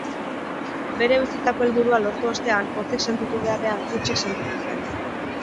Bere bizitzako helburua lortu ostean, pozik sentitu beharrean, hutsik sentitu zen.